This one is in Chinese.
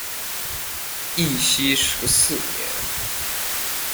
义熙十四年。